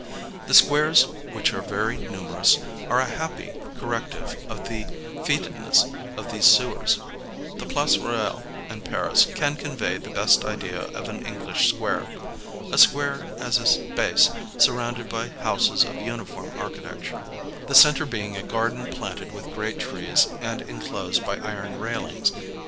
The squares, which are very numerous, are a happy cor rective of the fcetidness of these sewers. The Place Royal in Paris can convey the best idea of an English square. A square ,as a space surrounded by houses of uniform archi tecture, 'the centre being a garden planted with great trees and enclosed by iron railings.